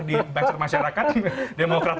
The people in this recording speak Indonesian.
di bangsa masyarakat demokrat